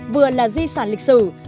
vừa là di sản lịch sử